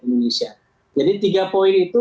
indonesia jadi tiga poin itu